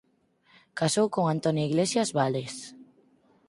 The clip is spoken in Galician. Casou con Antonia Iglesias Vales.